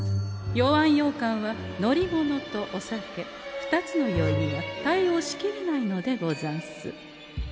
「酔わんようかん」は乗り物とお酒２つの酔いには対応しきれないのでござんす。